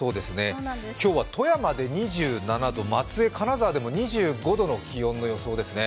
今日は富山で２７度、松江・金沢でも２５度の気温の予想ですね。